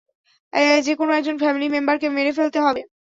যেকোন একজন ফ্যামিলি মেম্বারকে মেরে ফেলতে হবে।